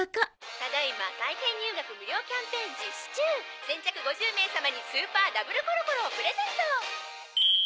「ただ今体験入学無料キャンペーン実施中！」「先着５０名様にスーパーダブルコロコロをプレゼント！」